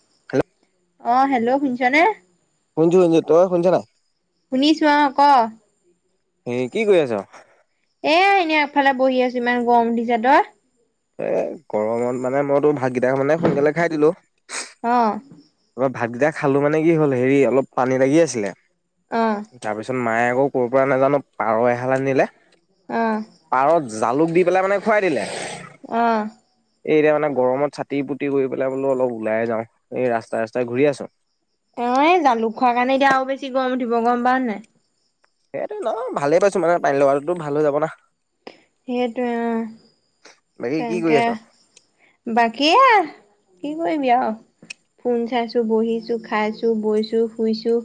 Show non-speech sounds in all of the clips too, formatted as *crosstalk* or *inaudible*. *unintelligible* অ hello শুনিছনে। শুনচু শুনচু তই শুনিছ নাই। শুনিছোঁ অ ক। এ কি কৰি আছ। এ এনেই আগফালে বহি আছোঁ ইমান গৰম দিছে তই, এ গৰমত মানে মইতো ভাতকেইটা মানে সোনকালে খাই দিলোঁ, অ ঘৰত ভাতকেইটা খালোঁ মানে কি হ'ল হেৰি অলপ পানী লাগি আছিলে, অ। তাৰপিছত মায়ে আকৌ ক'ৰ পৰা নাজানোঁ পাৰ এহাল আনিলে। অ। পাৰত জালুক দি পেলাই মানে খুৱাই দিলে। অ। এ এতিয়া মানে গৰমত চাতি পুতি কৰি পেলাই বোলো অলপ ওলাই যাওঁ এই ৰাস্তাই ৰাস্তাই ঘূৰি আছোঁ। অ জালুক খোৱাৰ কাৰণে এতিয়া আৰু বেছি গৰম উঠিব গম পাওঁ নাই। সেইটো ন ভালেই পাইছোঁ মানে পানী লগাটোতো ভাল হৈ যাব না। সেইটোৱে অ বাকী কি কৰি তেনকে, আছ বাকী এয়াই কি কৰিবি আৰু, ফোন চাইছোঁ বহিছোঁ খাইছোঁ বৈছোঁ শুইছোঁ,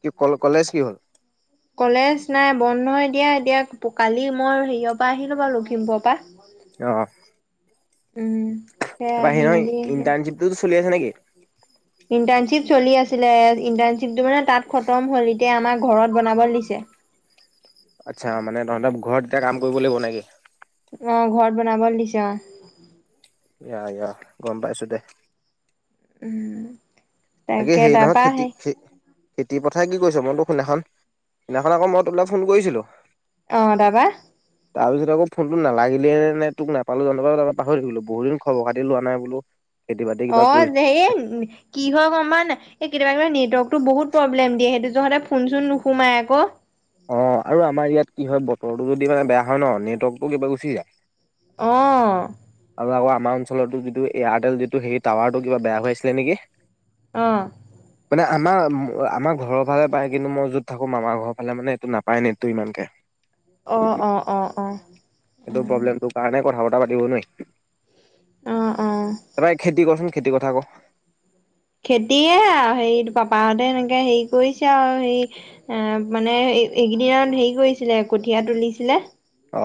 কি ক কলেজ কি হ'ল? কলেজ নাই বন্ধ হয় দিয়া এতিয়া কালি মই হেৰিয়ৰ পৰা আহিলোঁ বাৰু লখিমপুৰৰ পৰা, অ উম সেয়া তাপা আহি হেই নহয় মেলি ইণ্টাৰ্ণশিপতটোত চলি আছে নেকি? ইণ্টাৰ্ণশ্বিপ চলি আছিলে ইণ্টাৰ্ণশ্বিপটো মানে তাত খতম হ'ল এতিয়া আমাৰ ঘৰত বনাবলে দিছে, আচ্ছা মানে তহঁতৰ ঘৰত এতিয়া কাম কৰিব লাগিব নেকি? অ ঘৰত বনাবলে দিছে অ, ইয়া ইয়া গম পাইছোঁ দে, উম। বাকি তাকে হেই নহয় তাৰপা খেতি সেই খে খেতি পথাই কি কৈছ মইতো সেইদিনাখন সেইদিনাখন আকৌ মই তোলে ফোন কৰিছিলো। অ তাপা তাৰপিছত আকৌ ফোনটো নালাগিলে নে তোক নাপালোঁ জানোপাই পাহৰি থাকিলোঁ বহুত দিন খাতিও লোৱা নাই বোলোঁ, অ সেই কি হয় গম পাওঁ নাই এই কেতিয়াবা কেতিয়াবা নেটৱৰ্কতো বহুত প্ৰব্লেম দিয়ে সেইটো হওঁতে ফোন চোন নোসোমাই আক, অ আৰু আমাৰ ইয়াত কি হয় বতৰটো যদি মানে বেয়া হয় ন নেটৱৰ্কতটো কিবা গুচি যায়, অঁ। আৰু আকৌ আমাৰ অঞ্চলতো যিটো এয়াৰটেল যিটো সেই টাৱাৰটো কিবা বেয়া হৈ আছিলে নেকি? অ। *inaudible* মানে আমাৰ আমাৰ ঘৰৰ ফালে পায় কিন্তু মই য'ত থাকো মামাৰ ঘৰৰ ফালে মানে এইটো নাপায় নেটটো ইমানকে। অ অ অ অ। এইটো প্ৰব্লেমটো কাৰণে কথা - বতা পাতিব নুৱাই। অ অ তাৰপৰা খেতি কৰচোন খেতিৰ কথা ক? খেতিয়ে আৰু হেৰি পাপাহঁতে এনেকে হেৰি কৰিছে আৰু হেৰি এ মানে এই এইকেইদিনত হেৰি কৰিছিলে কঠিয়া তুলিছিলে। অ।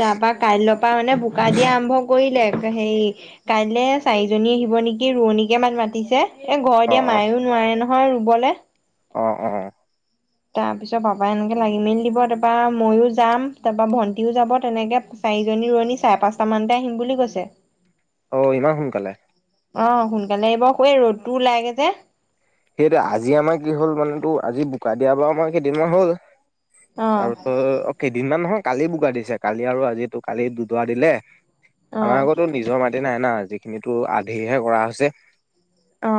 তাৰ পৰা কাইলৈৰ পৰা মানে বোকা দিয়া আৰম্ভ কৰিলে হেৰি কাইলে চাৰিজনী আহিব নেকি ৰোৱনীকে মান মাতিছে। এ ঘৰত অ এতিয়া মায়ও নোৱাৰে নহয় ৰুবলে? অ অ। অ তাৰ পিছত পাপাই এনেকে লাগি মেলি দিব তাৰপা মইও যাম তাৰপা ভণ্টিও যাব তেনেকে পাছ চাৰিজনী ৰোৱণী চাৰে পাঁচটামানতে আহিম বুলি কৈছে। অ ইমান সোনকালে? অ সোনকালে আহিব হু এই ৰ'দটো ওলাইগে যে? সেইটা আজি আমাৰ কি হ'ল মানে তোৰ আজি বোকা দিয়া বাৰ আমাৰ কেইদিনমান হ'ল। অ আৰু কেইদিনমান নহয় কালি বোকা দিছে, কালি আৰু আজিতো কালি দুডুৱৰা দিলে অ আমাৰ আগতো নিজৰ মা তে নাই না যিখিনিতো আধিহে কৰা হৈছে। অ।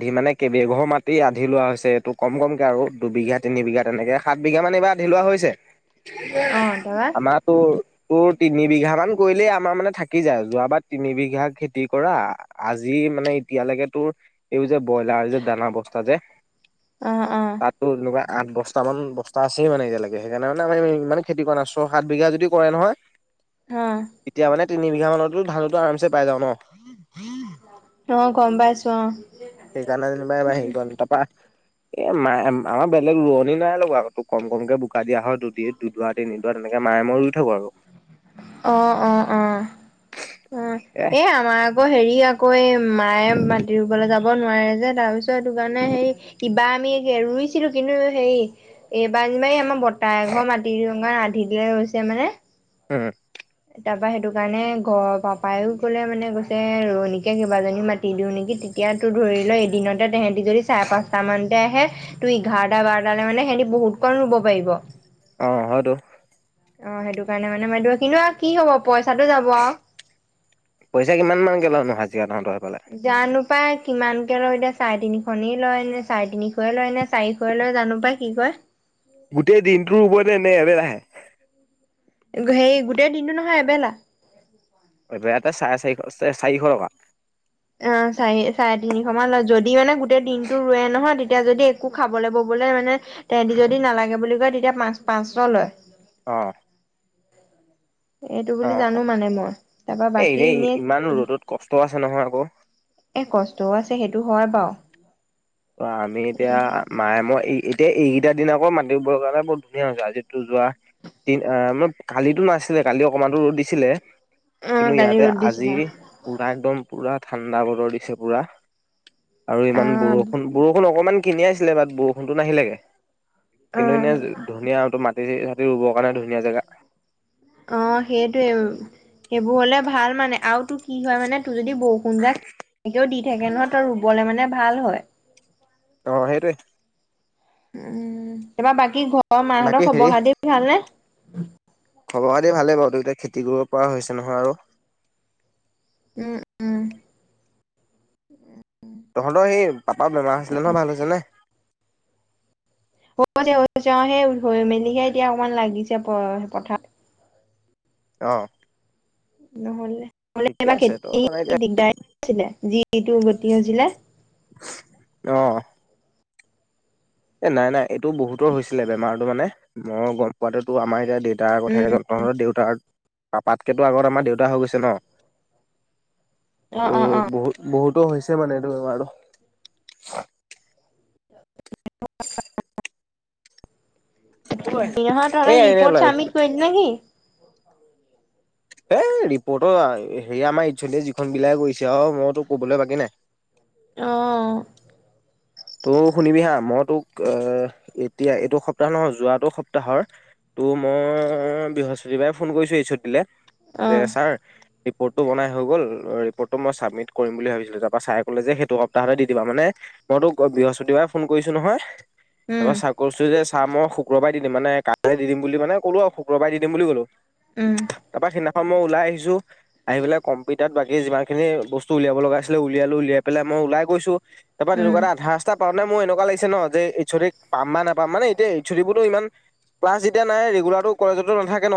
আধি মানে কেইবেঘৰ মাটি আন্ধি লোৱা হৈছে এইটো কম কমকৈ আৰু দুবিঘা - তিনিবিঘা তেনেকে সাত বিঘা মান এইবাৰ আধি লোৱা হৈছে, অ তাৰপা আমাৰটো তোৰ তিনি বিঘামান কৰিলেই আমাৰ মানে থাকি যায়, যোৱাবাৰ তিনিবিঘা খেতি কৰা আজি মানে এতিয়ালৈকে তোৰ এই যে ব্ৰইলাৰ যে দানা বস্তা যে আ আ। তাতো এনেকুৱা আঠ বস্তামান বস্তা আছেই মানে এতিয়ালৈকে সেইকাৰণে মানে আমি ইমান খেতি কৰা নাছ ছয় - সাত বিঘা যদি কৰে নহয় অ তেতিয়া মানে তিনি - বিঘামানতো ধানটো আৰামচে পাই যাওঁ ন। অ গম পাইছো অ। সেইকাৰনে যেনিবা মাই সেই কৰ তাৰপা এ মা আমাৰ বেলেগ ৰোৱনী নাই লগোৱা আকো কম - কমকে বোকা দিয়া হয় দুদিত। দুডুৱাদিন - তিনিদৰা তেনেকে মায়ে মই ৰুই থাকো আৰু। অ অ অ উম, এ আমাৰ আকৌ হেৰি আকৌ এই মায়ে মাটি ৰুবলৈ যাব নোৱাৰে যে তাৰপিছ তটো কাৰণে সেই কিবা আমি ৰুইছিলো কিন্তু সেই এইবাৰ যেনিবাৰি আমাৰ বৰ্তা ঘৰ মাটি ৰঙা ৰাধি দিলে ৰৈছে মানে উম। তাৰপৰা সেইটো কাৰণে ঘৰৰ পাপায়েও কলে মানে কৈছে ৰুৱনীকে কেইবাজনী মাতি দিও নেকি তে এতিয়াতো ধৰি ল এদিনতে তেহেতি যদি চাৰে- পাঁচটা মান তেহে, তুমি এঘাৰটা- বাৰটালৈ মানে সিহতি বহুতকন ৰুব পাৰিব। অ হয়তো। অ সেইটো কাৰণে মানে বাইদেউ কিন্তু আও কি হব পইচাটো যাব আৰু। পইচা কিমান মানকে লয় নো হাজিৰা তহঁতৰ সেইফালে? জানো পাই কিমানকে লৈ দে চাৰে তিনি খনেই লয়নে চাৰে তিনিশয়ে লয় নে চাৰিশয়লৈ জানো পাই কি কয়? গোটেই দিনটো ৰুব নে এনে এবেলাহে? হেই গোটেই দিনটো নহয় এবেলা। এবেলাতে চাৰে চাৰিশ- চাৰিশ টকা। অ চাৰি চাৰে তিনিশ মান লয় যদি মানে গোটেই দিনটো ৰুৱে নহয় তেতিয়া যদি একো খাবলে ববলে মানে তেহেঁতি যদি নালাগে বুলি কয় তেতিয়া পাঁচ পাঁচশ লয়। অ এইটো অ বুলি জানো মানে মই তাৰপৰা এই বাকী ইমান এনেই ৰ'দত কষ্ট আছে নহয় আকৌ। এই কষ্টও আছে সেইটো হয় বাৰু। ত আমি এতিয়া মায়ে মই এই এই টে এইকেইটা দিন আকৌ মাটি ৰুবৰ কাৰণে বহুত ধুনীয়া হৈছে আজিতো যোৱা। তিন আ মান কালিটো নাছিলে কালি অকণমানো টো ৰ'দ দিছিলে অ কিন্তু কালি ইয়াতে ৰ'দ আজি দিছিলে পুৰা একদম, পুৰা ঠাণ্ডা বতৰ দিছে পুৰা আৰু ইমান বৰ আহ বৰষুণ অকণমান কিনিয়াইছিলে বাট বৰষুণতো নাহিলেগে কিন্তু এনে আহ ধুনিয়া আৰু ত মা টি চাটি ৰুবৰ কাৰণে ধুনীয়া জেগা অ সেইটোয়ে, সেইবোৰ হলে ভাল মানে আৰু তোৰ কি হয় মানে তোৰ যদি বৰষুণ যাক কেনেকৈও দি থাকে নহয় ত ৰুবলে মানে ভাল হয়। অ সেইটোৱে। উম তাৰপৰা বাকী ঘৰৰ বাকী মাহঁতক হেৰি খবৰ - খাটি ভালনে? খবৰ - খাটি ভালেই বাৰু দুইটা খেতি কৰিব পৰা হৈছে নহয় আৰু। উম। উম। তহঁতৰ এই পাপাৰ বেমাৰ হৈছিলে নহ, ভাল হৈছেনে? হব দিয়া *unintelligible* সেই ধই মেলিহে এতিয়া অকমান লাগিছে প পথাত অ। নহ'লে নহলে ঠিকে এইবাৰ আছে তই খেতি মানে এতিয়া দিগদাৰ আছিলে যিটো গতি হৈছিলে। অহ। এ নাই নাই এইটো বহুতৰ হৈছিলে বেমাৰটো মানে মই গম পোৱাটোতো আমাৰ এতিয়া দেউতাৰ উম কথাকেজন তহঁতৰ দেউতাৰ, পাপাতকেতো আগত আমাৰ দেউতা হৈ গৈছে ন। ত অ অ অ বহুত বহুতো হৈছে মানে এইটো বেমাৰটো। তাকে সিহঁত তহঁত এয়া এনে ৰিপৰ্ট ওলাই গৈছিলে চাবমিট কৰিল নেকি? সেই ৰিপৰ্টৰ হেৰি আমাৰ একচুৱেলি যিখন বিলাই গৈছে আও মইতো ক'বলৈ বাকী নাই। অ। তও শুনিবি হা, মই তোক এ এতিয়া এইটো সপ্তাহৰ, যোৱাটো সপ্তাহৰ টো মই বৃহস্পতিবাৰে ফোন কৰিছো এইছ অ দিলে অ যে ছাৰ ৰিপৰ্টটো বনাই হৈ গ'ল, অ ৰিপৰ্টটো মই ছাবমিট কৰিম ভাবিছিলোঁ, তাৰপৰা চাৰে ক'লে যে সেইটো সপ্তাহতে দি দিবা। মানে মইতো বৃহস্পতিবাৰে ফোন কৰিছো নহয়, তা উম পা ছাৰক কৈছোঁ যে ছাৰ মই শুক্ৰবাৰে দি দিম মানে কাইলৈ দি দিম বুলি মানে ক'লো আৰু শুক্ৰবাৰে দিম বুলি ক'লো। উম। তা পা সিদিনাখন মই ওলাই আহিছোঁ। আহি পেলাই কম্পিউটাৰত বাকী যিমান খিনি বস্তু উলিয়াব লগা আছিলে উলিয়ালোঁ, উলিয়াই পেলাই মই ওলাই গৈছোঁ। তা পা উম তেনেকুৱা উম এটা আধা ৰাস্তা পাওঁতে মোৰ এনেকুৱা লাগি ন যে এইছ অ দিক পাম বা নাপাম। মানে এতিয়া এইছ অ দি বোৰতো ইমান ক্লাছ যেতিয়া নাই ৰেগুলাৰটো কলেজতো নাথাকে ন।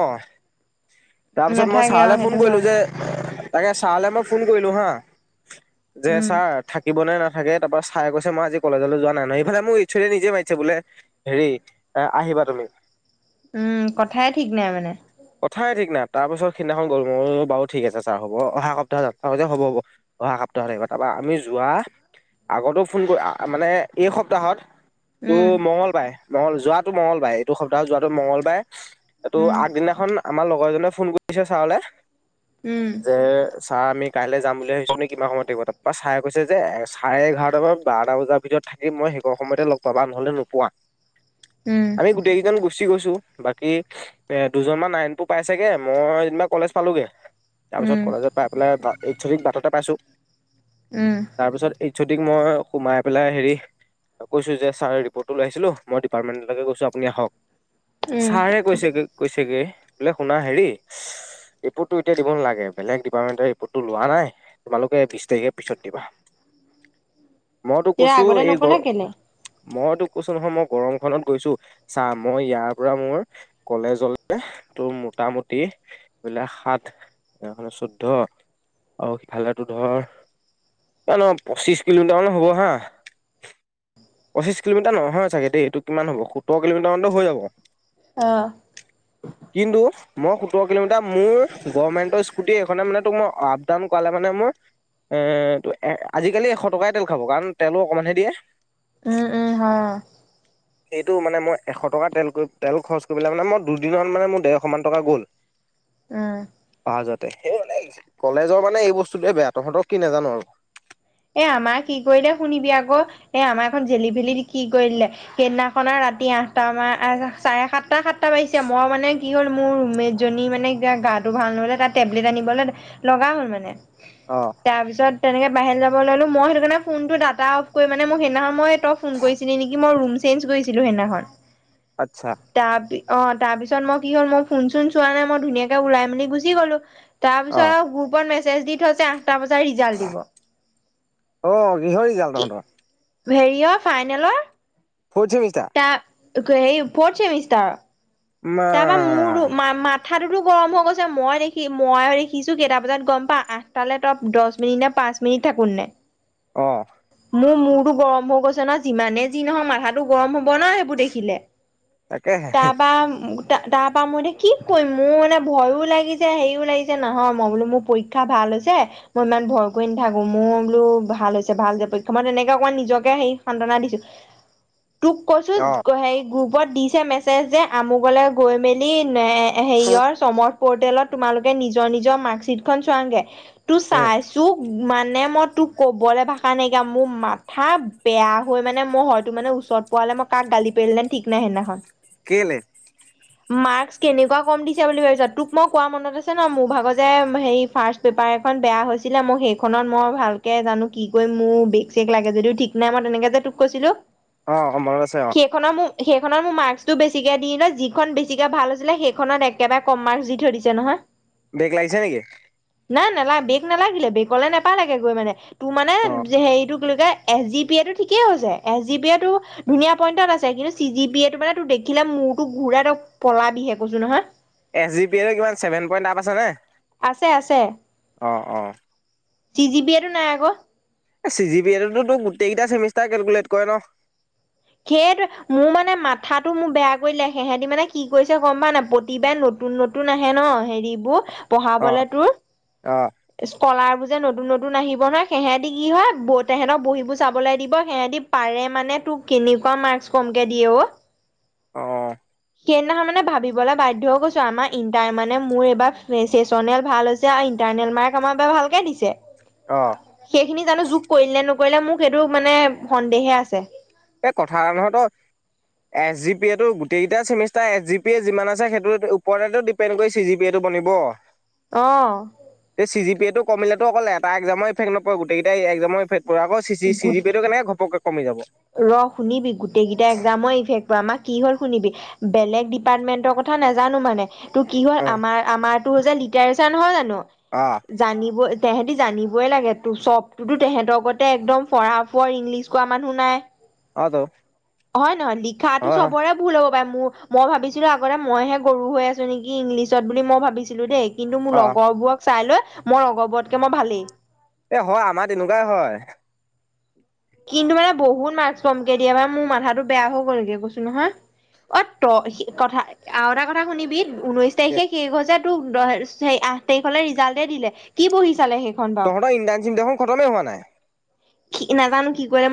তাৰপিছত মই নাথাকে অ ছাৰলৈ ফোন সেইটো কৰিলোঁ হয় যে তাকে ছাৰলে মই ফোন কৰিলো হা, যে উম ছাৰ থাকিব নে নাথাকে, তাৰ পৰা ছাৰে কৈছে মই আজি কলেজলৈ যোৱা নাই। এইফালে মোৰ এইছ অ দিয়ে নিজে মাতিছে বোলে। হেৰি এ আহিবা তুমি। উম, কথাই ঠিক নাই মানে। কথাই ঠিক নাই, তাৰ পিছত সিদিনাখন গলোঁ, ম‌ই বোলোঁ অ' বাৰু ঠিক আছে ছাৰ হ'ব অহা সপ্তাহত যাম হ'ব-হ'ব। অহা সপ্তাহত আহিবা তাৰপৰা আমি যোৱা আগতো ফোন কৰা, মানে এই সপ্তাহত, টো উম মঙ্গলবাৰে, মঙল যোৱাটো মঙ্গলবাৰে এইটো সপ্তাহত যোৱাটো মঙ্গলবাৰে, এইটো উম আগদিনাখন আমাৰ লগৰজনে ফোন কৰিছে ছাৰলে উম। যে ছাৰ আমি কাইলৈ যাম বুলি ভাবিছোঁ নে কিমান সময়ত থাকিব তাত। পা ছাৰে কৈছে যে চাৰে এঘাৰটামান বাৰটা বজাৰ ভিতৰত থাকিম মই সেইকণ সময়তে লগ পাবা নহলে নোপোৱা। উম। আমি গোটেই কেইজন গুচি গৈছোঁ। বাকী এ দুজনমান নাৰায়ণপুৰ পাইছেগে মই যেনিবা কলেজ পালোগে। উম তাৰপিছত কলেজত পাই পেলাই এইচ অ' দিক বাটতে পাইছোঁ। উম। তাৰপিছত এইচ অ' দিক মই সোমাই পেলাই হেৰি কৈছোঁ যে, ছাৰ ৰিপৰ্টটো লৈ আহিছিলোঁ মই ডিপাৰ্টমেণ্টলৈকে গৈছোঁ আপুনি আহক। উম ছাৰে কৈছেগে-কৈছেগে বোলে শুনা হেৰি ৰিপৰ্টো এতিয়া দিব নালাগে, বেলেগ ডিপাৰ্টমেণ্টৰ ৰিপৰ্টটো লোৱা নাই, তোমালোকে বিশ তাৰিখে পিছত দিবা। মইতো এতিয়া কৈছোঁ আগতে এই নকলা কেলে গৰ- মই তোক কৈছোঁ নহয়, মই গৰমখনত গৈছোঁ। চা মই ইয়াৰ পৰা মই কলেজলৈকে তোৰ মোটামুটি, বিলাক সাত এইফালে চৈধ্য আৰু সিফালেটো ধৰ কিমান হ'ব পঁচিশ কিলোমিটাৰ মানে হ'ব হা। পঁচিছ কিলোমিটাৰ নহয় চাগে দেই, এইটো কিমান হ'ব, সোতৰ কিলোমিটাৰ মানতো হৈ যাব। অ'। কিন্তু মই সোতৰ কিলোমিটাৰ মোৰ গভমেণ্টৰ স্কুটি এইখনে মানে তোক, মই আপ ডাউন কৰালে মানে মোৰ। এ ত আজিকালি এশ টকাই তেল খাব কাৰণ তেলো অকণমানহে দিয়ে। উম-উম হা। *inaudible* এইটো মানে মই এশ টকা তেল কৰি, তেল খৰচ কৰি পেলাই মানে মই দুদিন মান, মানে মোৰ ডেৰশ মান টকা গ'ল। অ উম পাওঁ যাতে। সেই ইয়ালে আহিছে। কলেজৰ মানে এই বস্তুটোৱে বেয়া। তহঁতৰ কি নাজানো আৰু। এ আমাৰ কি কৰিলে শুনিবি আকৌ এ আমাৰখন জেলি ভেলি দি কি কৰি দিলে। সেইদিনাখনে ৰাতি আঠটা মান চাৰে সাতটা-সাতটা বাাজিছে। মই মানে কি হ'ল, মোৰ ৰুমমেট জনী মানে গাটো ভাল নহ'লে তাৰ টেবলেট আনিবলে লগা হ'ল মানে। অ' তাৰ পিছত তেনেকে বাহিৰ যাব ওলালো মই সেইটো কাৰণে ফোনটো ডাটা অফ কৰি মানে মোৰ সেইদিনা খন মই। তই ফোন কৰিছিলি নিকি? ৰোম চেইনজ কৰিছিলো সেই দিনা খন। আচ্ছা। তাপি, অ তাৰপিছত মই কি হ'ল মই ফোন চোন চোৱা নাই মই ধুনীয়াকে ওলাই মেলি গুচি গলো। তাৰপিছত অ' আও গ্ৰুপত মেজ দি থৈছে আমি আঠটা বজাত ৰিজাল্ট দিব। অ কিহৰ ৰিজাল্ট তহঁতৰ? হেৰিয় ফাইনেলৰ। ফৌৰ্থ ছেমিষ্টাৰ তা, হেই ফৌৰ্থ ছেমিষ্টাৰ মা তাৰ পা মোৰটো মা মাত মাঠাটোতো গৰম হৈ গৈছে মই দেখি ময়ো দেখিছোঁ কেইটা বজাত গম পাওঁ আঠটালৈ তপ দহ মিনিট নে পাঁচ মিনিত থাকোননে। অ। মোৰ মূৰতো গৰম হৈ গৈছে নহয়, যিমানে যি নহয় মাথাটো গৰম হ'ব ন সে বোৰ দেখিলে, তাকেহে ‌তাৰপা তাৰ পৰাৰা মই এতিয়া কি কৰিম, মোৰ মানে ভয়ো লাগিছে হেৰিও লাগিছে নহয় মই বোলো মোৰ পৰীক্ষা ক্ষা ভাল হৈছে মই ইমান ভয় কৰি নাথাকো মোৰ বোলো ভাল হৈছে। ভাল যে পৰীক্ষা মই তেনেকে অকণমান নিজকে সে সান্তনা দিছো। তোক কৈছো অ' হেই গ্ৰুপত দিছে মেছেজ যে আমোগলে গৈ মেলিন এ হেৰিয়ৰ চমৰ পৰ্টেলত তোমালোকে নিজৰ নিজৰ মাৰ্কশ্বিট খন চোৱাগে তু উম। ছুৱেজ তোক মানে মই তোক ক'বলৈ ভাষা নাইকিয়া, মোৰ মাথা বেয়া হৈ মানে মই হয়তো মানে, ওচ ওচট পোৱা হলে মই কাক গালি পাৰিলোঁ হেতেন ঠিক নাই সিদিনাখন। কেলে? মাৰ্কচ কেনেকুৱা কম দি বুলি ভাবিছ, তোক মই কোৱা মনত আছে ন মোৰ ভাগত যে সেই পেপাৰ এখন বেয়া হৈছিলে, মই সেইখনত মই ভালকে জানো কি কৰিম মোৰ বেক চেক লাগে যদিও ঠিক নাই মই তেনেকে যে তোক কৈছিলো। অ অ মনত আছে অ। সেইখনৰ মোৰ সেইখনৰ মোৰ মাৰ্কস টো বেছিকে দিলে। যিখন বেছিকে ভাল হৈছিলে, সেইখনত একেবাৰে কম মাৰ্ক্স দি থৈ দিছে নহয়। বেক লাগিছে নেকি? নাই নালাগ বেক নালাগিলে বেকলে নাপালাগে গৈ মানে তোৰ মানে অ' হেৰিটো। ক এছ জি বি এইটো ঠিকেই হৈছে, এছ জি বি এইটো ধুনীয়া পইণ্টত আছে। কিন্তু চি জি পি এ তটো মানে দেখিলে মোৰ তোক ঘূৰাই, ত পলাবিহে কৈছো নহয়। এছ জি পি এ কিমান ছেভেন পইণ্ট আপ আছেনে আছে অঁ অঁ। টি জি বি এটো নাই আকৌ এ চি জি পি এ তো তোক গোটেইকেইটা চেমিষ্টাৰ কেলকুলেট কৰে ন। সেইটো মোৰ মানে মাথাটো মোৰ বেয়া কৰিলে সিহঁতি মানে কি কৰিছে গম পা নাই? প্ৰতিবাই নতুন নতুন নতুন আহে ন হেৰিবোৰ অ' পঢ়াবলে তোৰ অ' স্কললাৰ বোৰ যে নতুন নতুন আহিব নহয়। সেহঁতি কি হয় তেহেঁতক বহীবোৰ চাবলৈ দিব সিহঁতি পাৰে মানে তোক কেনেকুৱা মাৰ্কস কমকে দিয়ে অ। অঁ। সেইদিনাখন মানে ভাবিবলৈ বাধ্য হৈ গৈছোঁ আৰু আমাৰ ইণ্টাৰ মানে মোৰ এইবাৰ মেচেচনেল ভাল। ইণ্টাৰনেল মাৰ্ক আমাক বাৰু ভালকে দিছে। অ। সেইখিনি জানো যোগ কৰিলে নে নকৰিলে মোক, এইটোৱে মানে সন্দেহে আছে। এই কথা‌ এটা নহয় ত। এছ জি পি এ তো গোটেইকেইটা চেমিষ্টাৰ এছ জি পি য়ে যিমান আছে সেইটো ওপৰ অপেনকৈ চি জি পি এটো বনিব। অঁ। যে চি জি প এ টো কমিলেতো অকল এটা একজাম ইফেক্ট নপৰে গোটেইকেইটা একজামৰ ইফেক্ট পৰাকৈ। চি চি জি গোট প টো কেনেকে ঘপকে কমি যাব। ৰ শুনিবি গোটেইকেইটা এক্জামৰ ইফেক্ট প আমাক। কি হ'ল শুনিবি বেলেগ ডিপাৰ্টমেন্টৰ কথা নাজানো মানে ত' কি হ'ল অ আমাৰ। আমাৰতো যে লিটাৰেচাৰ নহয় জানো। অঁ। জানিব তেহেঁতি জানিবই লাগে ত চবটোটৌ তেহেঁতৰতে একদম ফৰা ফৰ ইংলিছ। কোৱা মানুহ নাই। অ টৌ হয় নহয় লিখাটো চবৰে। ভুল হ'ব পাৰে মোৰ মই ভাবিছিলো আগতে মইহে গৰু হৈ আছো নেকি ইংলিছত বুলি মই ভাবিছিলো দেই। কিন্তু মোৰ অ লগৰবোৰক চাই লৈ মই লগৰবোৰতকৈ মই ভালেই। এ হয় আমাৰ তেনেকুৱাই হয়। কিন্তু মানে বহুত মাৰ্কচ কমকে দিয়ে মানে মোৰ মাথাটো বেয়া হৈ গ'লগে কৈছো নহয়। অ' ত সি কথা আৰু এটা কথা শুনিবি ঊনৈছ তাৰিখে শেষ হৈছে তোক হেয়ি আঠ তাৰিখলৈ ৰিজাল্টেই দিলে। কি বহি চালেহে। তহঁতৰ ইণ্টান চি দেখোন খতমেই হোৱা নাই। নাজানো কি কৰে মই।